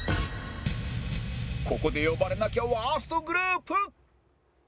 ここで呼ばれなきゃワーストグループ